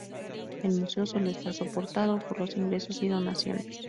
El museo solo está soportado por los ingresos y donaciones.